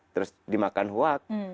terus dimakan huak